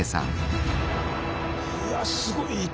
いやすごい。